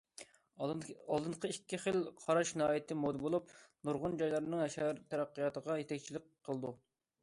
ئالدىنقى ئىككى خىل قاراش ناھايىتى مودا بولۇپ، نۇرغۇن جايلارنىڭ شەھەر تەرەققىياتىغا يېتەكچىلىك قىلىدۇ.